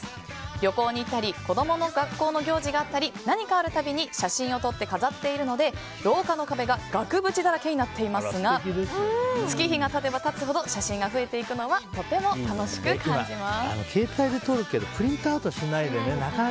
旅行に行ったり子供の学校の行事があったり何かあるたびに写真を撮って飾っているので廊下の壁が額縁だらけになっていますが月日が経てば経つほど写真が増えていくのがとても楽しく感じます。